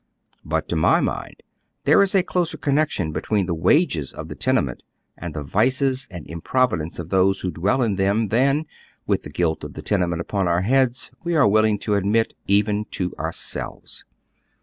But to my mind there is a closer connection between the wages of the tene ments and the vices and improvidence of those who dwell oy Google THE COMMON HEED. 173 in them than, with the guilt of the tenement upon onr lieads, we are willing to admit even to ourselveB.